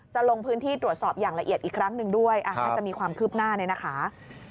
ลงพื้นที่ตรวจสอบอย่างละเอียดอีกครั้งหนึ่งด้วยถ้าจะมีความคืบหน้าเนี่ยนะคะ